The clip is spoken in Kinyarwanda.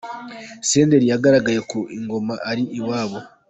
Senderi yagaragaje ko i Ngoma ari iwabo.